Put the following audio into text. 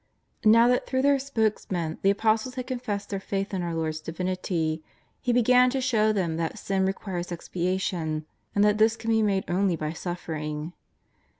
INow that through their spokesman the Apostles had confessed their faith in our Lord's Divinity, He be gan to show them that sin requires expiation, and that this can be made only by suffering.